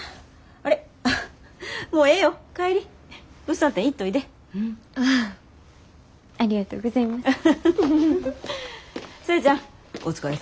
ありがとうございます。